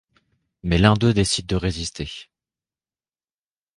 Mais l'un d'eux décide de résister...